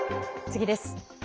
次です。